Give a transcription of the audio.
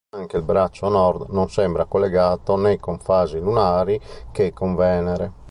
Anche il braccio nord non sembra collegato né con fasi lunari che con Venere.